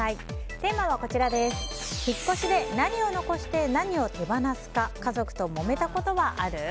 テーマは引っ越しで何を残して何を手放すか家族とモメたことはある？